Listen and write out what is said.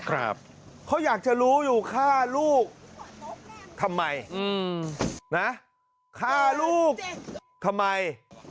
เขาอยากจะรู้อยู่ฆ่าลูกทำไมอืมนะฆ่าลูกทำไม